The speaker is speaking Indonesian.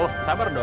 oh sabar dong